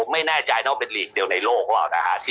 ผมไม่แน่ใจนะว่าเป็นหลีกเดียวในโลกหรือเปล่านะฮะ